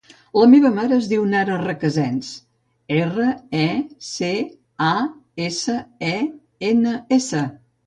La meva mare es diu Nara Recasens: erra, e, ce, a, essa, e, ena, essa.